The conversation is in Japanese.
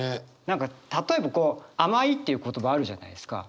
何か例えば甘いっていう言葉あるじゃないですか。